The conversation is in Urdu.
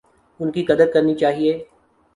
ان کی قدر کرنی چاہیے۔